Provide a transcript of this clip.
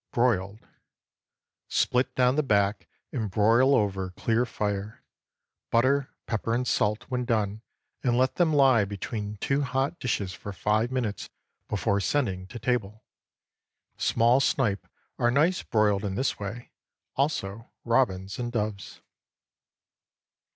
Broiled. Split down the back, and broil over a clear fire. Butter, pepper, and salt when done, and let them lie between two hot dishes for five minutes before sending to table. Small snipe are nice broiled in this way; also robins and doves.